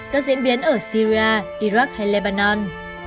các diễn biến ở syria iraq hay lebanon